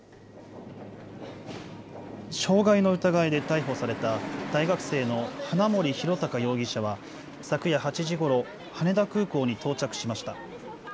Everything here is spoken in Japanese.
傷害の疑いで逮捕された大学生の花森弘卓容疑者は、昨夜８時ごろ、羽田空港に到着しました。